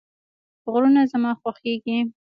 غرونه زما خوښیږي